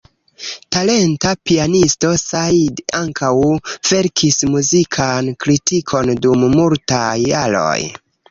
Talenta pianisto, Said ankaŭ verkis muzikan kritikon dum multaj jaroj.